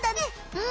うん。